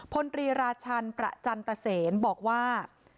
พลตรีราชันประจันตเซนบอกว่า